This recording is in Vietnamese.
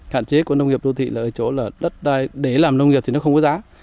hạn chế của nông nghiệp đô thị là ở chỗ là đất đai để làm nông nghiệp thì nó không có giá